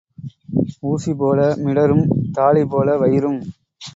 ஊசி போல மிடறும் தாழி போல வயிறும்.